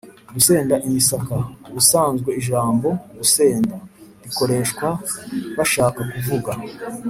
gusenda imisaka: ubusanzwe ijambo “gusenda” rikoreshwa bashaka kuvuga